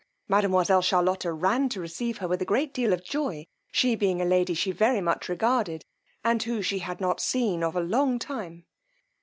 Mademoiselle Charlotta ran to receive her with a great deal of joy, she being a lady she very much regarded, and who she had not seen of a long time.